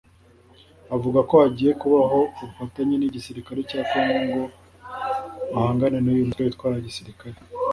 Avuga ko hagiye kubaho ubufatanye n’igisirikare cya Congo ngo bahangane n’uyu mutwe witwara gisirikare